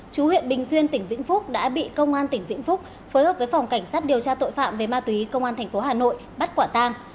chú huyện bình xuyên tỉnh vĩnh phúc đã bị công an tỉnh vĩnh phúc phối hợp với phòng cảnh sát điều tra tội phạm về ma túy công an tp hà nội bắt quả tang